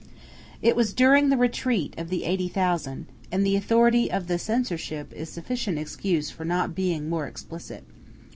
It was during the Retreat of the Eighty Thousand, and the authority of the Censorship is sufficient excuse for not being more explicit.